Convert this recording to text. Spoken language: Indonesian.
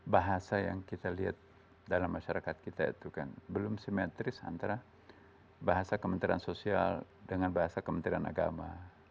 bahasa yang kita lihat dalam masyarakat kita itu kan belum simetris antara bahasa kementerian sosial dengan bahasa kementerian agama